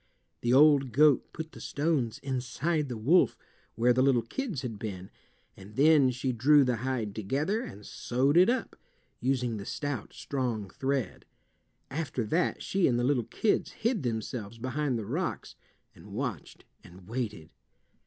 The old goat put the stones inside the wolf, where the little kids had been, and then she drew the hide together and sewed it up, using the stout, strong thread. After that she and the little kids hid themselves behind the rocks, and watched and waited.